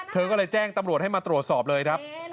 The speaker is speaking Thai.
เธอก็เลยแจ้งตำรวจให้มาตรวจสอบเลยครับ